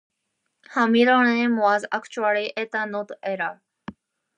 Her middle name was actually "Etta" not Ella.